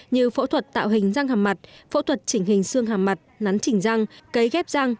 như phẫu thuật tạo hình răng hàm mặt phẫu thuật chỉnh hình xương hàm mặt nắn chỉnh răng cấy ghép răng